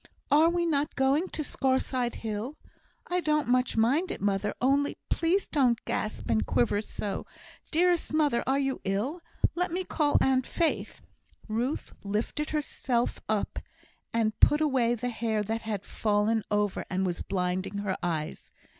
Are we not going to Scaurside hill? I don't much mind it, mother; only please don't gasp and quiver so. Dearest mother, are you ill? Let me call Aunt Faith!" Ruth lifted herself up, and put away the hair that had fallen over and was blinding her eyes.